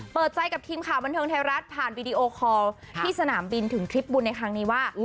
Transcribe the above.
เปิดใจกับทีมข่าวบันเทิงไทยรัฐผ่านวีดีโอคอลที่สนามบินถึงทริปบุญในครั้งนี้ว่า